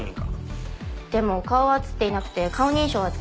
でも顔は映っていなくて顔認証は使えませんでした。